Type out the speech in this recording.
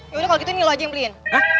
yaudah kalo gitu nih lo aja yang beliin